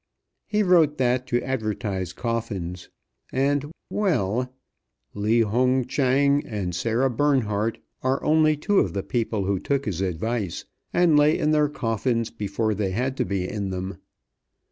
He wrote that to advertise coffins, and well, Li Hung Chang and Sara Bernhardt are only two of the people who took his advice, and lay in their coffins before they had to be in them.